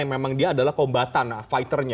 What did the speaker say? yang memang dia adalah kombatan fighter nya